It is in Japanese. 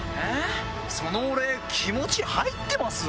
そのお礼気持ち入ってます？